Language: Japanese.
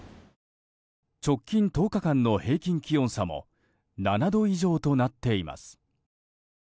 直近１０日間の平均気温差も７度以上となっています。